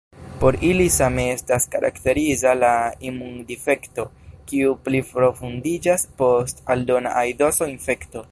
Por ili same estas karakteriza la imundifekto, kiu pliprofundiĝas post aldona aidoso-infekto.